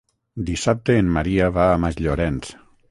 Dissabte en Maria va a Masllorenç.